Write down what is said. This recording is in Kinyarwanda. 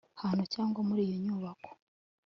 hantu cyangwa muri iyo nyubako